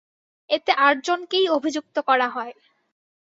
এতে আটজনকেই অভিযুক্ত করা হয়।